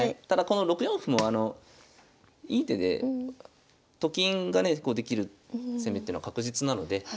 ただこの６四歩もいい手でと金がねできる攻めっていうのは確実なので。